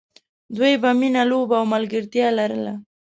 دوی به مینه، لوبه او ملګرتیا لرله.